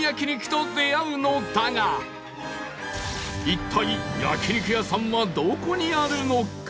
一体焼肉屋さんはどこにあるのか？